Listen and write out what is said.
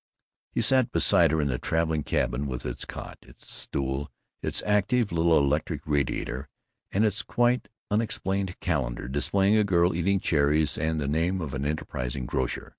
He sat beside her in that traveling cabin with its cot, its stool, its active little electric radiator, and its quite unexplained calendar, displaying a girl eating cherries, and the name of an enterprising grocer.